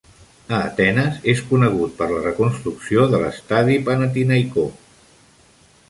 A Atenes és conegut per la reconstrucció de l'estadi Panathinaikó.